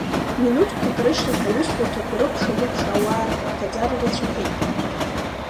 Минуҭқәак рышьҭахь аусҳәарҭақәа рыкәша-мыкәша ауаа рхыԥхьаӡара рацәахеит.